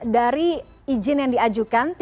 dari izin yang diajukan